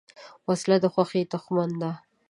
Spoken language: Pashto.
وسله د خوښۍ دښمن ده